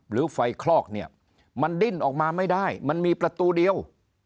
หรือไฟคลอกเนี่ยมันดิ้นออกมาไม่ได้มันมีประตูเดียว